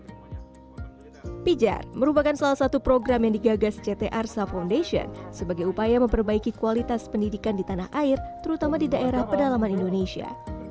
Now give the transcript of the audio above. pijar merupakan salah satu program yang digagas ct arsa foundation sebagai upaya memperbaiki kualitas pendidikan di tanah air terutama di daerah pedalaman indonesia